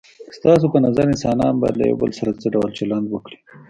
ستاسو په نظر انسانان باید له یو بل سره څه ډول چلند وکړي؟